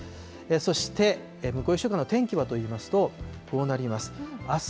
そして、向こう１週間の天気はといいますと、こうなります。